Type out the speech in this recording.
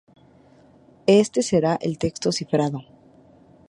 Este será el texto cifrado.